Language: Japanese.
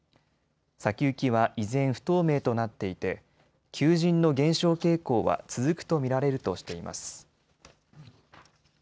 先行きは依然、不透明となっていて求人の減少傾向は続くと見られるとしています。